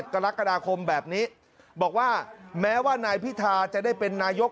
กรกฎาคมแบบนี้บอกว่าแม้ว่านายพิธาจะได้เป็นนายก